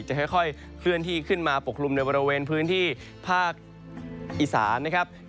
จะค่อยเคลื่อนที่ขึ้นมาปกคลุมในบริเวณพื้นที่ภาคอีสานนะครับ